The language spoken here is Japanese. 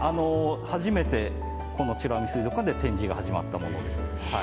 初めてこの美ら海水族館で展示が始まったものです。